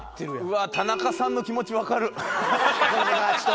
うわあ田中さんの気持ちわかる。